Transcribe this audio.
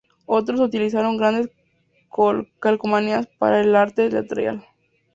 Otros utilizaron grandes calcomanías para el arte lateral.